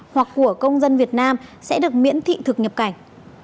hoặc của công dân việt nam sẽ được miễn thị thực nhập cảnh